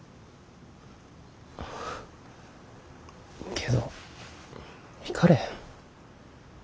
けど行かれへん。